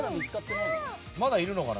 まだいるのかな？